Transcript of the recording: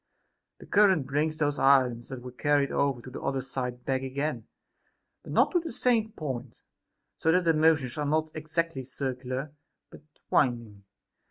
The current brings those islands that were carried over to the other side back again ; but not to the same point, so that their motions are not exactly circular, but winding.